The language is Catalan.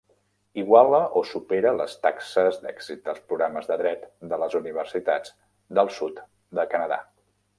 Iguala o supera les taxes d'èxit dels programes de dret de les universitats del sud de Canadà.